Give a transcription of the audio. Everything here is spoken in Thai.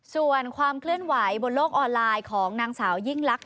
ส่วนความเคลื่อนไหวบนโลกออนไลน์ของนางสาวยิ่งลักษณ